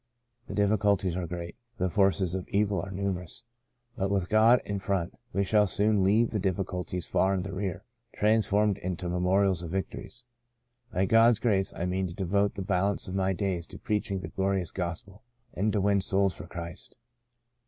The difficulties are great, the forces of evil are numerous, but with God in front we shall soon leave the difficulties far in the rear — transformed into memorials of victories. By God's grace I mean to devote the balance of my days to preaching the glorious Gospel, and to win souls for Christ."